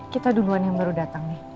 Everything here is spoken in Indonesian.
kita duluan yang baru datang nih